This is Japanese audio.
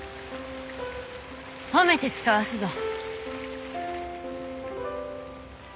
褒めて遣わすぞ。